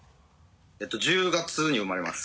１０月に産まれます。